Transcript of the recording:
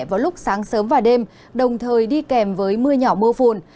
vào lúc sáng sớm và đêm đồng thời đi kèm với mưa nhỏ mưa phùn